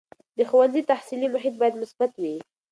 د ښوونځي تحصیلي محیط باید مثبت وي.